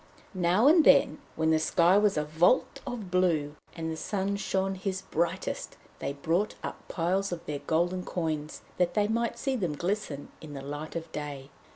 Now and then, when the sky was a vault of blue, and the sun shone his brightest, they brought up piles of their golden coins, that they might see them glisten in the light of day.